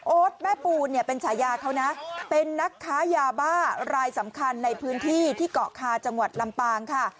แม่ปูนเนี่ยเป็นฉายาเขานะเป็นนักค้ายาบ้ารายสำคัญในพื้นที่ที่เกาะคาจังหวัดลำปางค่ะ